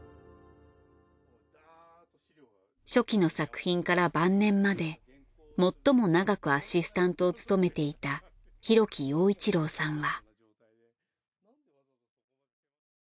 初期の作品から晩年まで最も長くアシスタントを務めていた広木陽一郎さんは。